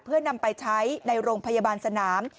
เพื่อนำไปใช้ในโรงพยาบาลสนาม